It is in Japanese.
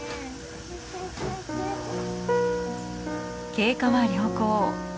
経過は良好。